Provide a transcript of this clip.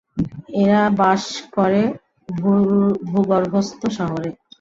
এরা বাস করে ভূগর্ভস্থ শহরে।